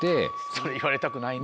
それ言われたくないね。